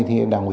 thì đảng quốc